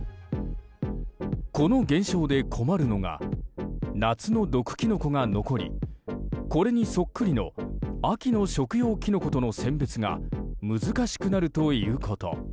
この現象で困るのが夏の毒キノコが残りこれにそっくりの秋の食用キノコとの選別が難しくなるということ。